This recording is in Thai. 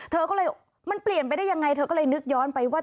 เธอก็เลยมันเปลี่ยนไปได้ยังไงเธอก็เลยนึกย้อนไปว่า